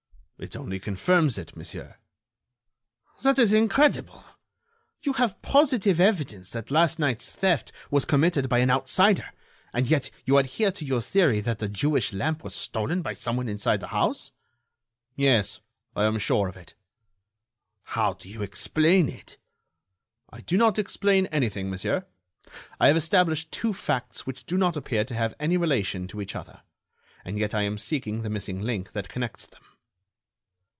"It only confirms it, monsieur." "That is incredible! You have positive evidence that last night's theft was committed by an outsider, and yet you adhere to your theory that the Jewish lamp was stolen by someone in the house." "Yes, I am sure of it." "How do you explain it?" "I do not explain anything, monsieur; I have established two facts which do not appear to have any relation to each other, and yet I am seeking the missing link that connects them."